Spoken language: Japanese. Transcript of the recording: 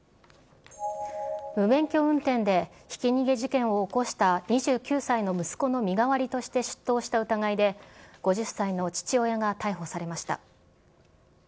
無免許運転でひき逃げ事件を起こした２９歳の息子の身代わりとして出頭した疑いで、５０歳の父親が逮捕されました。